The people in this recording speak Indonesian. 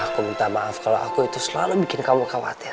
aku minta maaf kalau aku itu selalu bikin kamu khawatir